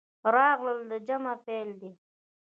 راغلل د جمع فعل دی.